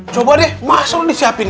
coba deh masuk disiapin